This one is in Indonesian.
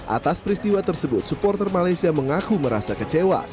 atas peristiwa tersebut supporter malaysia mengaku merasa kecewa